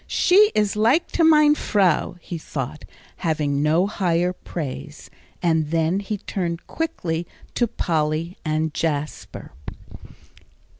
"She is like to mein Frau," he thought, having no higher praise. And then he turned quickly to Polly and Jasper.